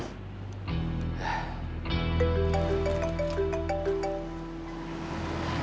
masih ada yang mau nanya